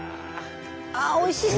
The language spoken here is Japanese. あおいしそう！